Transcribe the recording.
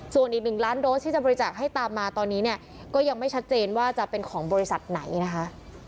ส่วนอีก๑ล้านโดสที่จะบริจาคให้ตามมาตอนนี้เนี่ยก็ยังไม่ชัดเจนว่าจะเป็นของบริษัทไหนนะคะ